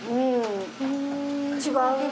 うん違う。